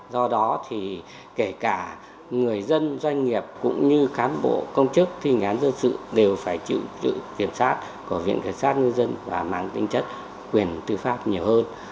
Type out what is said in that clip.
do đó thì kể cả người dân doanh nghiệp cũng như cán bộ công chức thi hành án dân sự đều phải chịu kiểm soát của viện kiểm sát nhân dân và mang tinh chất quyền tư pháp nhiều hơn